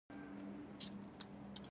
زه د مجازي واقعیت عینکې تجربه کوم.